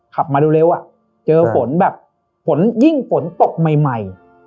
ขับมาเร็วอ่ะเจอฝนแบบฝนยิ่งฝนตกใหม่